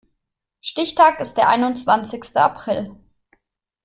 Stichtag ist der einundzwanzigste April.